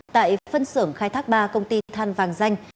tại phân xưởng khai thác ba công ty than vàng danh